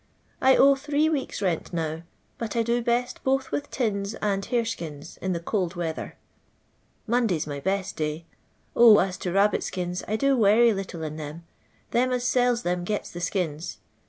1 owe tliree weeks' rent now; but I do best both with tins and harcskins in the cold weather. M on<lay 's my best day. 0, as to rab bit »kins, I do werry little in them. Them as sells them gets the skins.